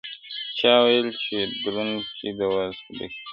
چاویل چي چوروندک د وازګو ډک دی،